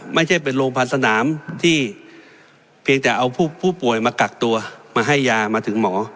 ไม่ใช่เป็นโรงพยาบาลสนามที่เพียงแต่เอาผู้ป่วยมากักตัวมาให้ยามาถึงหมอ